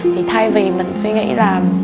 thì thay vì mình suy nghĩ là